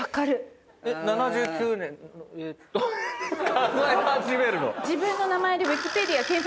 数え始めるの。